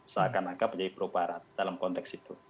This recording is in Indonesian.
seakan akan menjadi perubahan dalam konteks itu